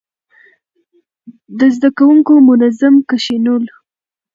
د زده کوونکو منظم کښينول،